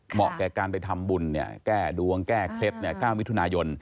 เหมาะแก่การไปทำบุญเนี่ยแก้ดวงแก้เคล็ดเนี่ย๙วิทยุนายน